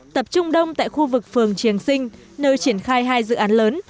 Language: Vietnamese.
tập trung đông tại khu vực phường triềng sinh nơi triển khai hai dự án lớn